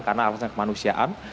karena alasannya kemanusiaan